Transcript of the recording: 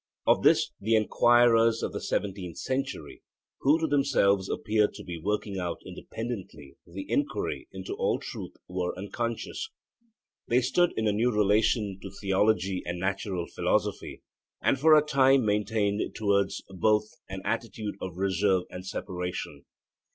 Of this the enquirers of the seventeenth century, who to themselves appeared to be working out independently the enquiry into all truth, were unconscious. They stood in a new relation to theology and natural philosophy, and for a time maintained towards both an attitude of reserve and separation.